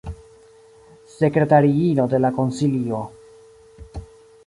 Sekretariino de la konsilio.